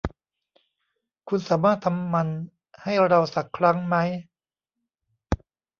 คุณสามารถทำมันให้เราสักครั้งมั้ย